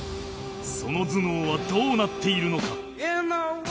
その頭脳はどうなっているのか？